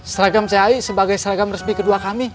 seragam cai sebagai seragam resmi kedua kami